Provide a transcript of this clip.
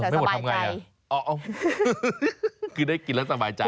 ไม่หมดทำไงคือได้กินแล้วสบายใจ